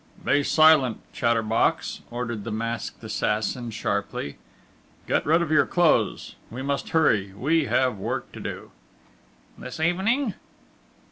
"Be silent, chatter box!" ordered the masked assassin sharply. "Get rid of your clothes.... We must hurry!... We have work to do!" "This evening?"